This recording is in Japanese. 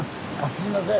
すいません。